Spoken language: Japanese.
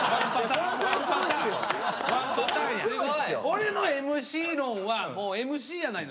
俺のＭＣ論はもうＭＣやないの。